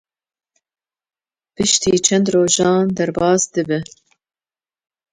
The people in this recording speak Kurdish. Piştî çend rojan derbas dibe.